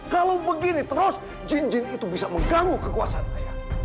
kalau begini terus jin jin itu bisa mengganggu kekuasaan ayah